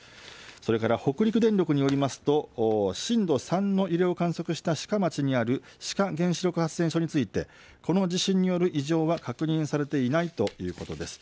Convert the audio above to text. それから北陸電力によりますと震度３の揺れを観測した志賀町にある志賀原子力発電所についてこの地震による異常は確認されていないということです。